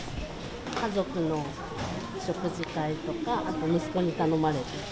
家族の食事会とか、あと息子に頼まれて。